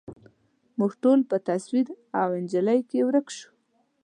موږ ټول په تصویر او انجلۍ کي ورک شوو